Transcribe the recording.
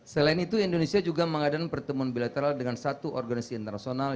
selain itu indonesia juga mengadakan pertemuan bilateral dengan satu organisasi internasional